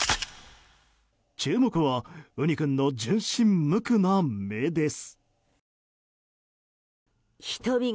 注目はうに君の純真無垢な目です。